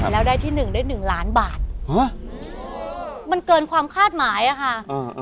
แล้วได้ที่หนึ่งได้หนึ่งล้านบาทฮะมันเกินความคาดหมายอ่ะค่ะอ่า